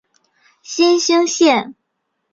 新兴线